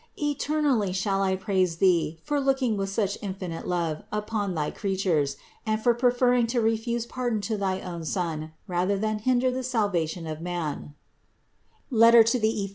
Eternally shall I praise Thee for looking with such infinite love upon thy creatures and for preferring to refuse pardon to thy own Son rather than hinder the salvation of man (Eph.